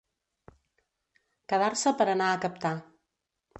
Quedar-se per anar a captar.